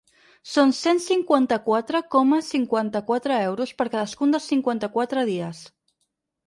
Són cent cinquanta-quatre coma cinquanta-quatre euros per cadascun dels cinquanta-quatre dies.